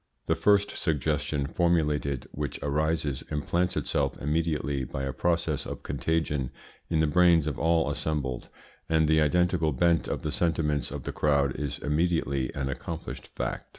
The first suggestion formulated which arises implants itself immediately by a process of contagion in the brains of all assembled, and the identical bent of the sentiments of the crowd is immediately an accomplished fact.